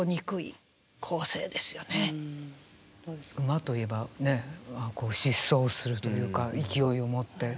馬といえばね疾走するというか勢いを持って。